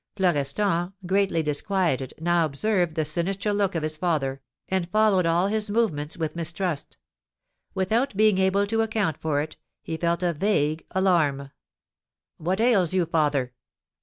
Florestan, greatly disquieted, now observed the sinister look of his father, and followed all his movements with mistrust. Without being able to account for it, he felt a vague alarm. "What ails you, father?"